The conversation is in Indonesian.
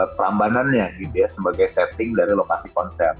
prambanan yang diberikan sebagai setting dari lokasi konser